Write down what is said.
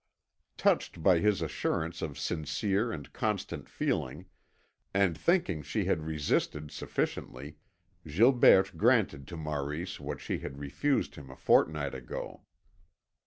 Touched by his assurance of sincere and constant feeling, and thinking she had resisted sufficiently, Gilberte granted to Maurice what she had refused him a fortnight ago.